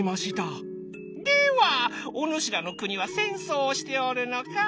「ではおぬしらの国は戦争をしておるのか？」。